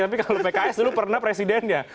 tapi kalau pks dulu pernah presiden ya